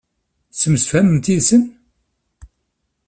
Tettemsefhamemt yid-sen?